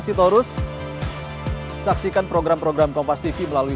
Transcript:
datang pak yandar madi